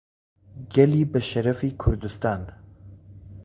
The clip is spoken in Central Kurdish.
گەلی بەشەڕەفی کوردستان